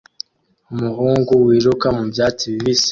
Umuhungu wiruka mu byatsi bibisi